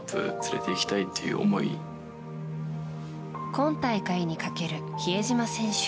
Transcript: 今大会にかける比江島選手。